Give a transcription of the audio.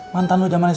mantan lu zaman smp